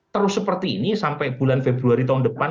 terus seperti ini sampai bulan februari tahun depan